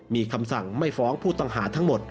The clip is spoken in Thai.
มีคำสั่งไม่ฟ้องผู้ต้องหาทั้งหมด